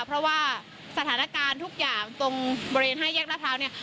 เพราะว่าสถานการณ์ทุกอย่างตรงบริเวณ๕แยกรัฐพร้าวเนี่ย